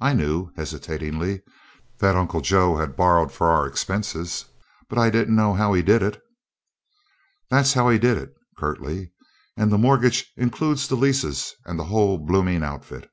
"I knew," hesitatingly, "that Uncle Joe had borrowed for our expenses, but I didn't know how he did it." "That's how he did it," curtly. "And the mortgage includes the leases and the whole bloomin' outfit."